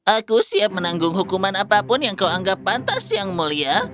aku siap menanggung hukuman apapun yang kau anggap pantas yang mulia